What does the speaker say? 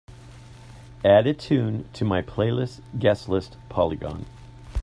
Add a tune to my playlist Guest List Polygon